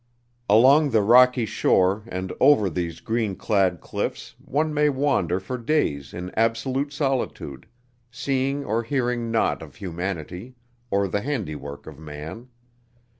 Along the rocky shore and over these green clad cliffs one may wander for days in absolute solitude, seeing or hearing naught of humanity or the handiwork of man.